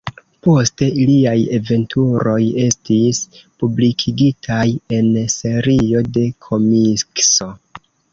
Poste iliaj aventuroj estis publikigitaj en serio de komikso.